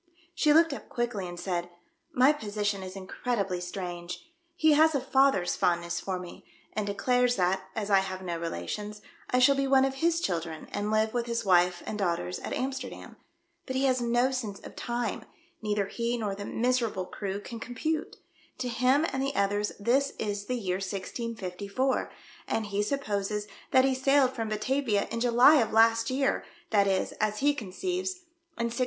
She looked up quickly, and said, "My position is incredibly strange. He has a father's fondness for me, and declares that, as I have no relations, I shall be one of his children, and live with his wife and daughters at AmiSterdam. But he has no sense of time. Neither he nor the miserable crew can com pute. To him and the others this is the year 1654, and he supposes that he sailed from Batavia in July of last year, that is, as he conceives, in 1653.